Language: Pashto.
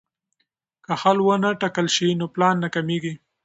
که حل ونه ټاکل شي نو پلان ناکامېږي.